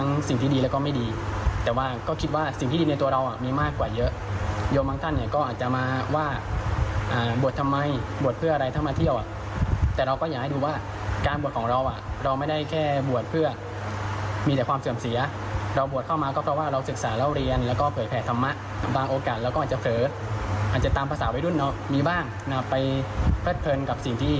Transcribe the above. นี่คือหลวงพี่โจที่เป็นผู้เชียวเจ้าว่าใช่ไหมคะ